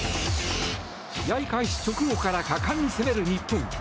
試合開始直後から果敢に攻める日本。